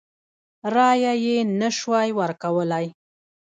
رایه یې نه سوای ورکولای.